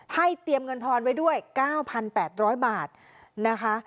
เตรียมเงินทอนไว้ด้วย๙๘๐๐บาทนะคะ